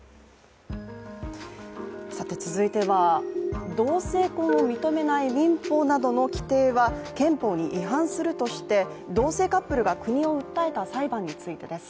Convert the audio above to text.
続いては、同性婚を認めない民法などの規定は憲法に違反するなどとして同性カップルが国を訴えた裁判についてです。